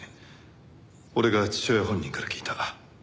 俺が父親本人から聞いた。